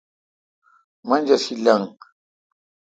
منجرشی لنگ۔